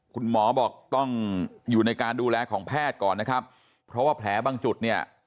คุณหมอบอกต้องอยู่ในการดูแลของแพทย์ก่อนนะครับเพราะว่าแผลบางจุดเนี่ย